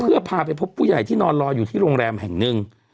เพื่อพาไปพบผู้ใหญ่ที่นอนรออยู่ที่โรงแรมแห่งหนึ่ง